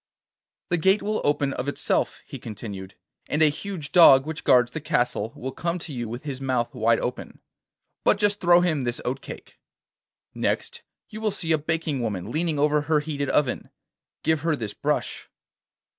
'The gate will open of itself,' he continued, 'and a huge dog which guards the castle will come to you with his mouth wide open, but just throw him this oat cake. Next, you will see a baking woman leaning over her heated oven. Give her this brush.